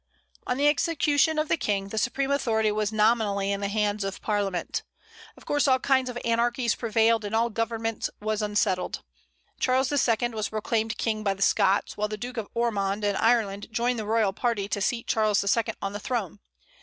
On the execution of the King, the supreme authority was nominally in the hands of Parliament. Of course all kinds of anarchies prevailed, and all government was unsettled. Charles II. was proclaimed King by the Scots, while the Duke of Ormond, in Ireland, joined the royal party to seat Charles II. on the throne.